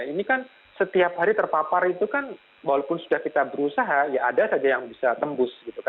ini kan setiap hari terpapar itu kan walaupun sudah kita berusaha ya ada saja yang bisa tembus